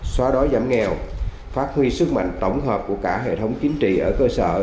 xóa đói giảm nghèo phát huy sức mạnh tổng hợp của cả hệ thống chính trị ở cơ sở